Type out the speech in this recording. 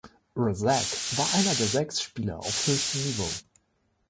Razzak war einer der sechs Spieler auf höchstem Niveau.